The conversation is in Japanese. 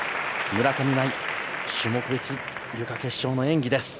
村上茉愛種目別ゆか決勝の演技です。